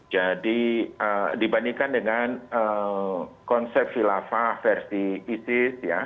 jadi dibandingkan dengan konsep khilafah versi isis ya